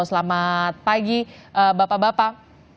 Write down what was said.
selamat pagi bapak bapak